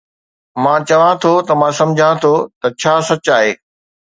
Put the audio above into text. مان چوان ٿو ته مان سمجهان ٿو ته ڇا سچ آهي